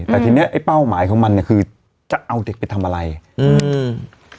แต่ทีเนี้ยไอ้เป้าหมายของมันเนี้ยคือจะเอาเด็กไปทำอะไรอืม